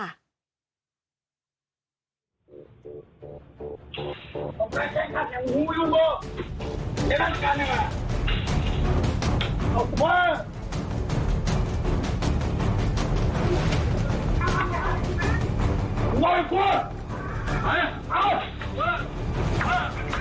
ส่งออกมาส่งออกมา